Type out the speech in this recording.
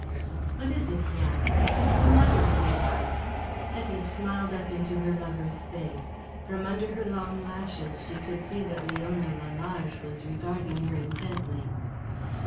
"What is it?" he asked. "What is the matter, sweetheart?" Hetty smiled up into her lover's face. From under her long lashes she could see that Leona Lalage was regarding her intently.